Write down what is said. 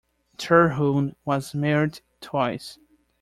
Terhune was married twice.